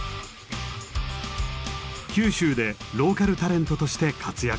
九州でローカルタレントとして活躍。